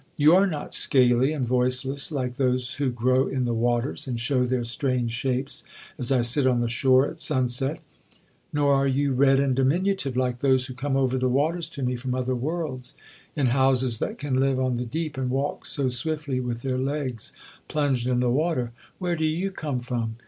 —you are not scaly and voiceless like those who grow in the waters, and show their strange shapes as I sit on the shore at sun set;—nor are you red and diminutive like those who come over the waters to me from other worlds, in houses that can live on the deep, and walk so swiftly, with their legs plunged in the water. Where do you come from?